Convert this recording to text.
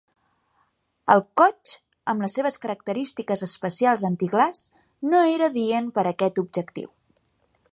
El Kotx, amb les seves característiques especials antiglaç, no era adient per aquest objectiu.